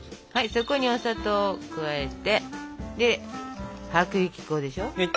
そこにお砂糖を加えてで薄力粉でしょ。